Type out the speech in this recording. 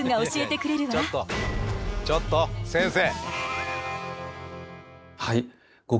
ちょっと先生。